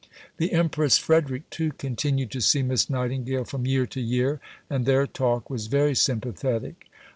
The Empress Frederick, too, continued to see Miss Nightingale from year to year, and their talk was very sympathetic.